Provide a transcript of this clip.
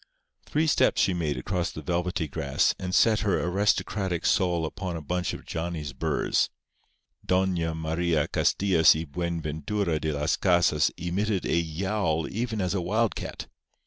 Three steps she made across the velvety grass, and set her aristocratic sole upon a bunch of Johnny's burrs. Doña Maria Castillas y Buenventura de las Casas emitted a yowl even as a wild cat.